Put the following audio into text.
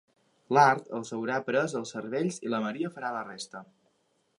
L'art els haurà pres els cervells i la maria farà la resta.